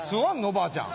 ばあちゃん！